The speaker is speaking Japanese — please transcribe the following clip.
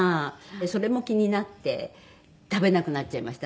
それも気になって食べなくなっちゃいましたね